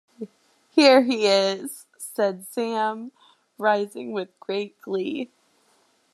‘Here he is!’ said Sam, rising with great glee.